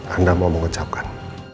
anda mau mengecapkan